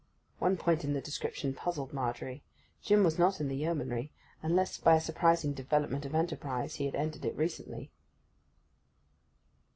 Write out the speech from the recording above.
One point in the description puzzled Margery: Jim was not in the Yeomanry, unless, by a surprising development of enterprise, he had entered it recently.